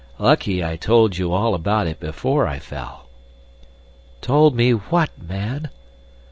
Lucky I told you all about it before I fell." "Told me what, man?"